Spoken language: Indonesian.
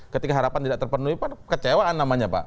ketika harapan tidak terpenuhi kecewaan namanya pak